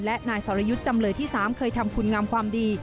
และนายสรยุทธ์จำเลยที่๓เคยทำคุณงามความดี